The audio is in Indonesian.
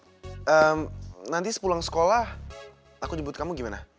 nanti sepulang sekolah aku nyebut kamu gimana